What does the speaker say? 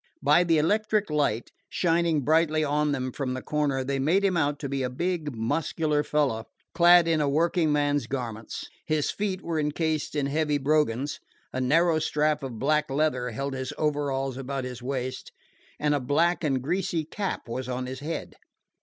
By the electric light, shining brightly on them from the corner, they made him out to be a big, muscular fellow, clad in a working man's garments. His feet were incased in heavy brogans, a narrow strap of black leather held his overalls about his waist, and a black and greasy cap was on his head.